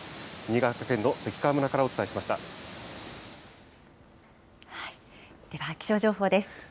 新潟県の関川村からお伝えしましでは、気象情報です。